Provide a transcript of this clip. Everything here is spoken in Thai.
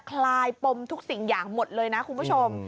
คลายปมทุกสิ่งอย่างหมดเลยนะคุณผู้ชม